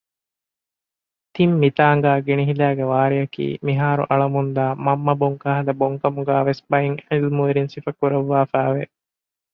ތިން މިތާގައި ގިނިހިލައިގެ ވާރެއަކީ މިހާރު އަޅަމުންދާ މަންމަ ބޮންކަހަލަ ބޮންކަމުގައި ވެސް ބައެއް ޢިލްމުވެރިން ސިފަކުރަށްވާފައި ވެ